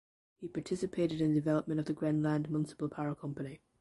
He participated in the development of the Grenland municipal power company.